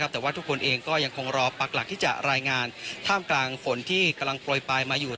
แต่ว่าทุกคนก็รอปักหลักที่จะลายรายงานทามกลางฝนที่กำลังปล่อยไปมาอยู่